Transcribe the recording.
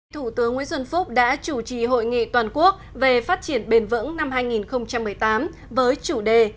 thủ tướng nguyễn xuân phúc đã chủ trì hội nghị toàn quốc về phát triển bền vững năm hai nghìn một mươi tám với chủ đề